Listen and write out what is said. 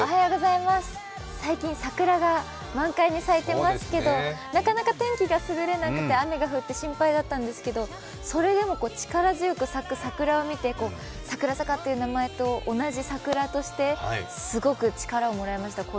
最近、桜が満開に咲いてますけど、なかなか天気が優れなくて雨が降って心配だったんですけどそれでも力強く咲く桜を見て櫻坂という名前と同じ桜としてすごく力をもらえました、